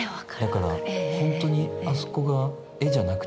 だからほんとにあそこが絵じゃなくて。